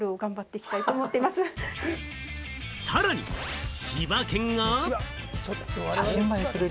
さらに千葉県が。